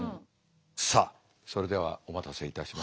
さあそれではお待たせいたしました。